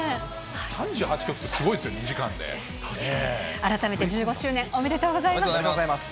３８曲って、すごいっすよ、改めて１５周年、おめでとうおめでとうございます。